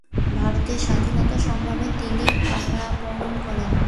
ভারতের স্বাধীনতা সংগ্রামে তিনি কারাবরণ করেন।